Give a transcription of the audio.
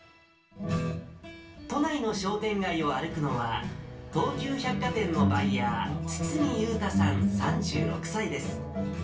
都内の商店街を歩くのは、東急百貨店のバイヤー、堤勇太さん３６歳です。